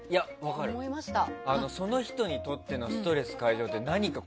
その人にとってのストレス解消って何か。